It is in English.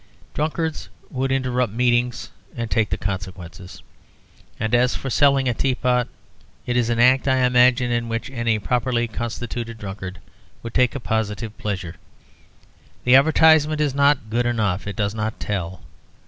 Drunkards would interrupt meetings and take the consequences. And as for selling a teapot, it is an act, I imagine, in which any properly constituted drunkard would take a positive pleasure. The advertisement is not good enough; it does not tell.